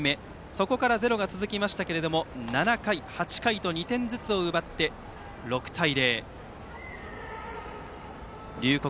そこからゼロが続きましたが７回、８回と２点ずつを奪って６対０。龍谷